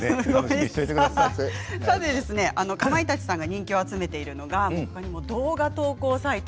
かまいたちさんが人気を集めているのが動画投稿サイト